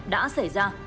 đã xảy ra